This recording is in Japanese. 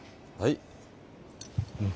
はい？